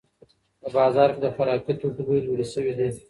په بازار کې د خوراکي توکو بیې لوړې شوې دي.